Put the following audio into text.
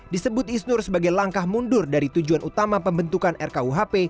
disebut isnur sebagai langkah mundur dari tujuan utama pembentukan rkuhp